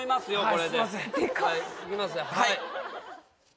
はい。